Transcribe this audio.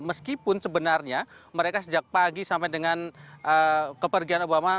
meskipun sebenarnya mereka sejak pagi sampai dengan kepergian obama